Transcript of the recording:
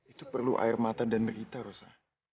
itu perlu air mata dan berita rusa